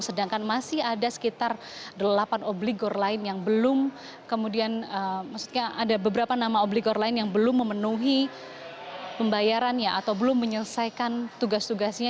sedangkan masih ada sekitar delapan obligor lain yang belum kemudian maksudnya ada beberapa nama obligor lain yang belum memenuhi pembayarannya atau belum menyelesaikan tugas tugasnya